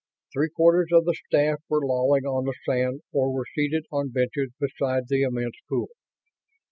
Three quarters of the staff were lolling on the sand or were seated on benches beside the immense pool.